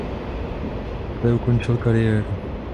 Poté ukončil kariéru.